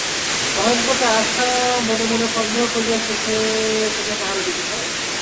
মহেন্দ্রকে আশা মনে মনে সন্দেহ করিয়া চোখে চোখে পাহারা দিতে চায়!